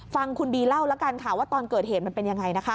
ฟังคุณบีเล่าแล้วกันค่ะว่าตอนเกิดเหตุมันเป็นยังไงนะคะ